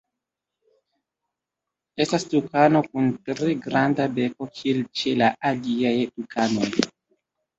Estas tukano kun tre granda beko kiel ĉe la aliaj tukanoj.